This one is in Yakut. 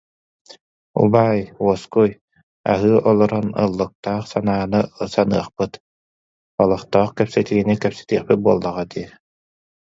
Убаай, уоскуй, аһыы олорон ыллыктаах санааны саныахпыт, олохтоох кэпсэтиинии кэпсэтиэхпит буоллаҕа дии